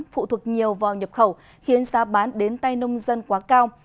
phụ thuộc nhiều vào nhập khẩu khiến giá bán đến tay nông dân quá cao